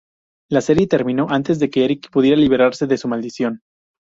La serie terminó antes de que Eric pudiera librarse de su maldición.